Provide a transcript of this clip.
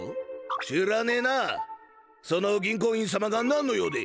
知らねえなその銀行員様がなんの用でい？